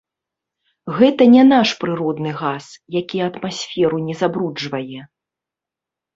Гэта не наш прыродны газ, які атмасферу не забруджвае.